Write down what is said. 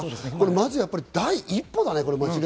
まずこれ第一歩だね。